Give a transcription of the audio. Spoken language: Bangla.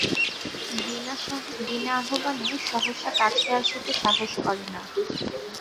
বিনা আহ্বানে সহসা কাছে আসিতে সাহস করে না।